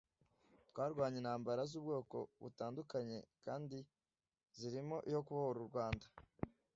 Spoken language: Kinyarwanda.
’’ Twarwanye intambara z’ubwoko butandukanye kandi zirimo iyo kubohora u Rwanda